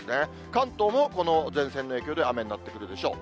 関東もこの前線の影響で雨になってくるでしょう。